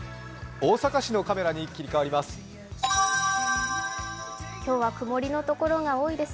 大阪市のカメラに切り替わります。